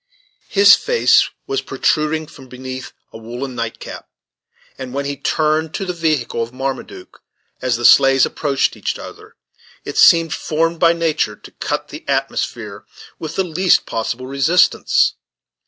His face was protruding from beneath a woollen night cap; and, when he turned to the vehicle of Marmaduke as the sleighs approached each other, it seemed formed by nature to cut the atmosphere with the least possible resistance.